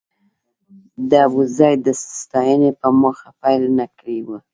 د ابوزید د ستاینې په موخه پيل نه کړی و.